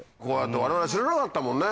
我々知らなかったもんね。